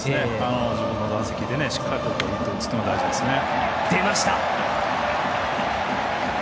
自分の打席でしっかりと打つというのが大事ですね。